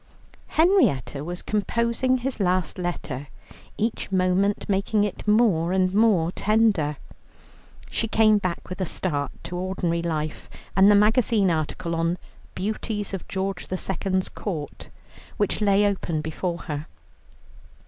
Henrietta was composing his last letter, each moment making it more and more tender. She came back with a start to ordinary life, and the magazine article on "Beauties of George II.'s Court," which lay open before her.